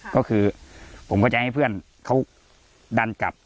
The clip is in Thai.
ก็คือผมก็จะให้เพื่อนเขาดันกลับ